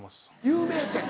有名店？